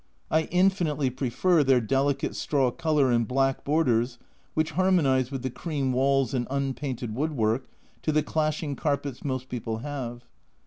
I infinitely prefer their delicate straw colour and black borders, which harmonise with the cream walls and unpainted woodwork, to the clashing carpets most people have.